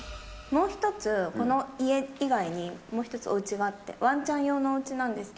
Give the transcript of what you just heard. もう１つ、この家以外にもう１つおうちがあって。